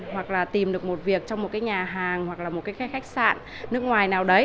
hoặc là tìm được một việc trong một cái nhà hàng hoặc là một cái khách sạn nước ngoài nào đấy